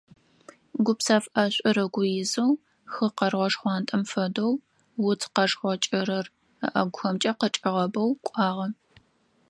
Гупсэф ӀэшӀур ыгу изэу, хы къэргъо шхъуантӀэм фэдэу, уц къэшхъо кӀырыр ыӀэгухэмкӀэ къычӀигъэбэу кӀуагъэ.